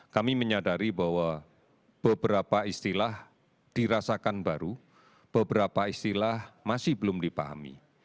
kami menyadari bahwa beberapa istilah dirasakan baru beberapa istilah masih belum dipahami